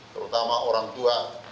terutama orang tua